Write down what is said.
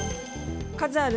数ある○